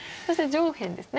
上辺ですね。